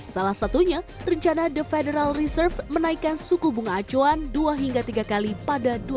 salah satunya rencana the federal reserve menaikkan suku bunga acuan dua hingga tiga kali pada dua ribu dua puluh